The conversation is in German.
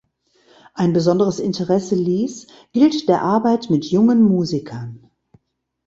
Ein besonderes Interesse Lees gilt der Arbeit mit jungen Musikern.